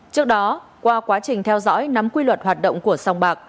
trước đó qua quá trình theo dõi nắm quy luật hoạt động của sông bạc